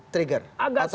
trigger atau korban